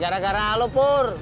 gara gara kamu pur